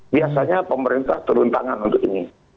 biasanya pemerintah turun tangan untuk ini